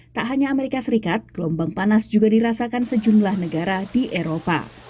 tak hanya amerika serikat gelombang panas juga dirasakan sejumlah negara di eropa